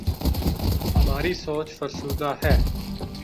ہماری سوچ فرسودہ ہے۔